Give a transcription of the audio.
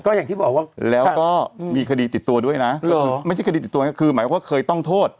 อย่างที่บอกว่าแล้วก็มีคดีติดตัวด้วยนะก็คือไม่ใช่คดีติดตัวก็คือหมายความว่าเคยต้องโทษ